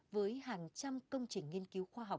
với hàng trăm công trình nghiên cứu khoa học